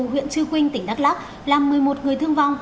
huyện trư quynh tỉnh đắk lắk làm một mươi một người thương vong